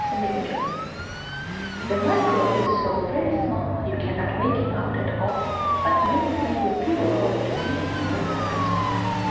The Microbe The Microbe is so very small You cannot make him out at all, But many sanguine people hope To see him through a microscope.